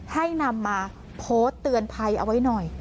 ให้นำมาโพสต์เตือนภัยเอาไว้หน่อย